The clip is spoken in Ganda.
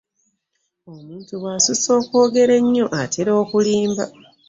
omuntu bw'asussa okwogera ennyo atera okulimba.